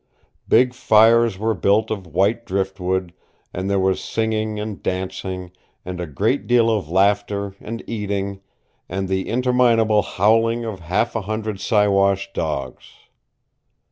Big fires were built of white driftwood, and there was singing and dancing, and a great deal of laughter and eating, and the interminable howling of half a hundred Siwash dogs.